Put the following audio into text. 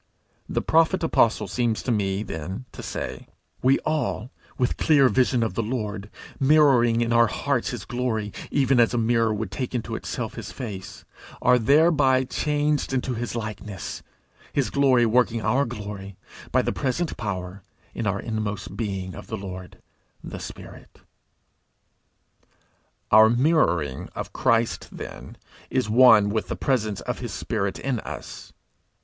The prophet apostle seems to me, then, to say, 'We all, with clear vision of the Lord, mirroring in our hearts his glory, even as a mirror would take into itself his face, are thereby changed into his likeness, his glory working our glory, by the present power, in our inmost being, of the Lord, the spirit.' Our mirroring of Christ, then, is one with the presence of his spirit in us.